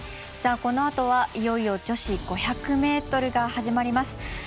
このあとは、いよいよ女子５００ｍが始まります。